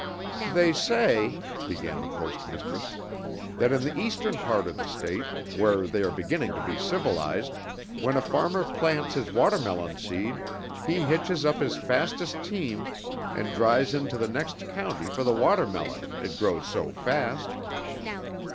"They say," began the Post Mistress, "that in the Eastern part of the State, where they are beginning to be civilized, when a farmer plants his watermelon seed, he hitches up his fastest team and drives into the next county for the watermelon, it grows so fast.